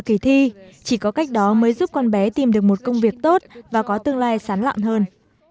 kỳ thi chỉ có cách đó mới giúp con bé tìm được một công việc tốt và có tương lai sán lọn hơn